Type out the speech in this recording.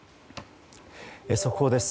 速報です。